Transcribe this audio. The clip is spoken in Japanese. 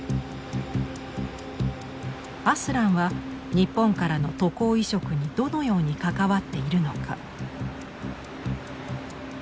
アスランは日本からの渡航移植にどのように関わっているのか。